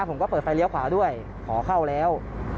ผมก็เปิดไฟเลี้ยวขวาด้วยขอเข้าแล้ว